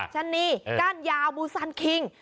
ชะนีก้านยาวบูซานคิง